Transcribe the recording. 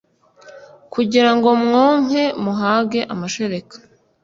Kugira ngo mwonke muhage amashereka